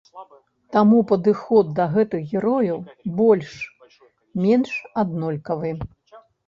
Таму падыход да гэтых герояў больш-менш аднолькавы.